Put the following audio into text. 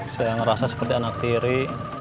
sayang ngerasa seperti anak tiri